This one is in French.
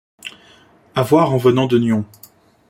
À voir en venant de Nyons.